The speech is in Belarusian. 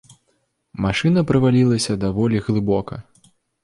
Машына правалілася даволі глыбока.